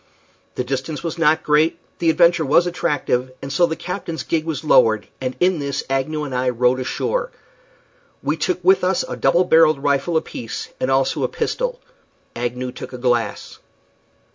The distance was not great, the adventure was attractive, and so the captain's gig was lowered, and in this Agnew and I rowed ashore. We took with us a double barrelled rifle apiece, and also a pistol. Agnew took a glass.